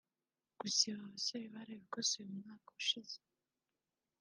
Gusa ibi aba basore barabikosoye mu mwaka ushize